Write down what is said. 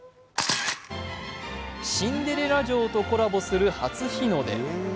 シンデレラ城とコラボする初日の出。